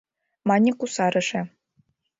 — мане кусарыше.